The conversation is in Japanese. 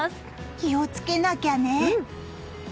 気をつけなきゃね。